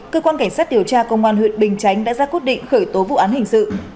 cơ quan cảnh sát điều tra công an huyện bình chánh đã ra quyết định khởi tố vụ án hình sự